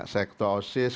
saya ketua osis